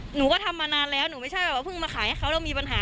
หนูก็ทำมานานแล้วหนูไม่ใช่แบบว่าเพิ่งมาขายให้เขาแล้วมีปัญหา